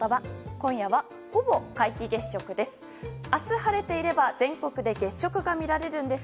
今夜は、ほぼ皆既月食です。